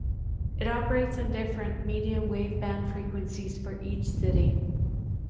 It operates on different medium wave-band frequencies for each city.